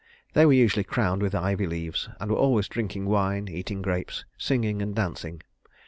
They were usually crowned with ivy leaves, and were always drinking wine, eating grapes, singing, and dancing.